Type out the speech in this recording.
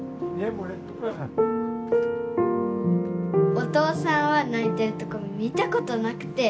お父さんは泣いてるとこ見たことなくて。